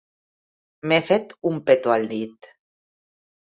M'he fet un petó al dit.